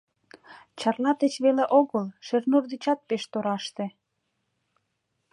Чарла деч веле огыл, Шернур дечат пеш тораште.